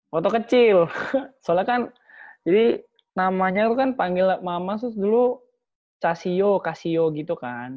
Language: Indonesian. waktu kecil soalnya kan jadi namanya kan panggilnya mama terus dulu casio casio gitu kan